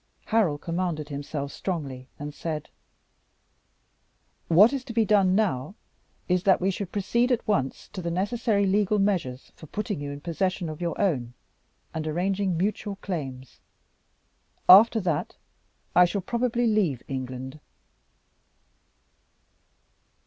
Harold commanded himself strongly and said "What is to be done now is, that we should proceed at once to the necessary legal measures for putting you in possession of your own, and arranging mutual claims. After that I shall probably leave England."